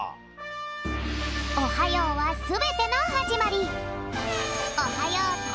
おはようはすべてのはじまり。